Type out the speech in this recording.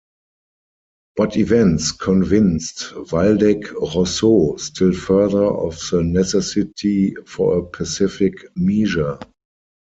But events convinced Waldeck-Rousseau still further of the necessity for a pacific measure.